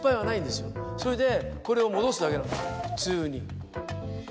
それでこれを戻すだけなの普通に。